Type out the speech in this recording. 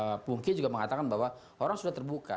mas mufti mbak pungki juga mengatakan bahwa orang sudah terbuka